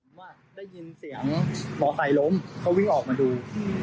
ผมว่าได้ยินเสียงหมอไก่ล้มเขาวิ่งออกมาดู